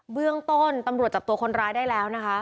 เบื้องต้นตำรวจจับตัวคนร้ายได้แล้วนะคะ